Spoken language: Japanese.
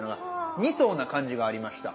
２層な感じがありました。